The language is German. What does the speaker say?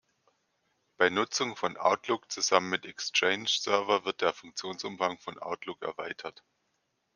Bei Nutzung von Outlook zusammen mit Exchange Server wird der Funktionsumfang von Outlook erweitert.